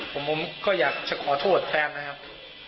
ผมก็อยากจะขอโทษแฟนนะครับ